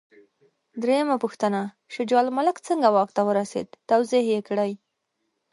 درېمه پوښتنه: شجاع الملک څنګه واک ته ورسېد؟ توضیح یې کړئ.